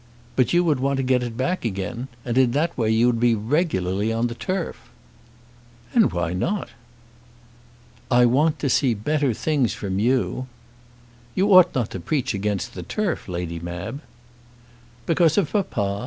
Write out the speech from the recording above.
But you would want to get it back again. And in that way you would be regularly on the turf." "And why not?" "I want to see better things from you." "You ought not to preach against the turf, Lady Mab." "Because of papa?